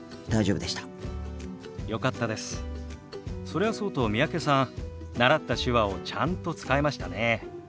それはそうと三宅さん習った手話をちゃんと使えましたね。